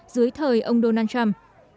dưới thời ông donald trump